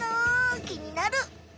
きになる！